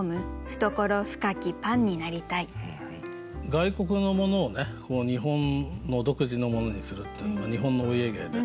外国のものを日本の独自のものにするっていうのは日本のお家芸で。